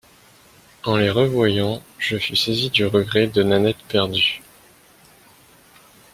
En les revoyant, je fus saisi du regret de Nanette perdue.